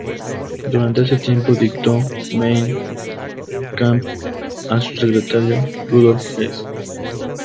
Durante este tiempo dictó "Mein Kampf" a su secretario Rudolf Hess.